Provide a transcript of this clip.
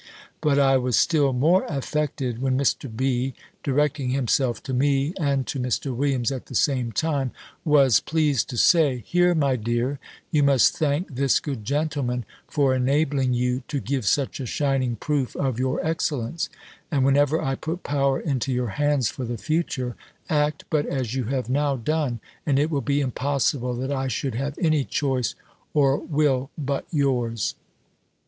But I was still more affected, when Mr. B. directing himself to me, and to Mr. Williams at the same time, was pleased to say, "Here, my dear, you must thank this good gentleman for enabling you to give such a shining proof of your excellence: and whenever I put power into your hands for the future, act but as you have now done, and it will be impossible that I should have any choice or will but yours."